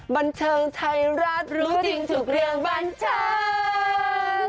บรรเผินไทรรัสรู้จริงถูกเรียกบรรเผิ้น